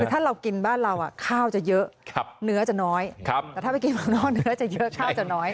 คือถ้าเรากินบ้านเราข้าวจะเยอะเนื้อจะน้อยแต่ถ้าไปกินเมืองนอกเนื้อจะเยอะข้าวจะน้อย